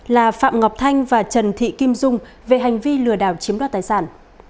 là phạm ngọc thanh và trần thị kim dung về hành vi lừa đảo chiếm đoạt tài sản